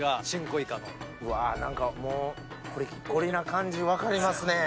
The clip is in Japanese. うわ何かもうコリッコリな感じ分かりますね。